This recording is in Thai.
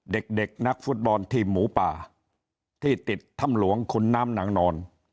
เด็กเด็กนักฟุตบอลทีมหมูป่าที่ติดถ้ำหลวงขุนน้ำนางนอน